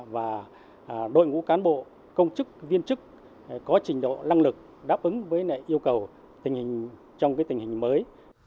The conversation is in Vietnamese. và đội ngũ cán bộ công chức viên chức có trình độ lăng lực đáp ứng với yêu cầu trong tình hình mới